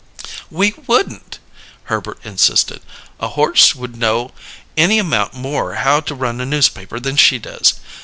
"We wouldn't," Herbert insisted. "A horse would know any amount more how to run a newspaper than she does.